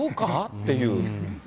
っていう。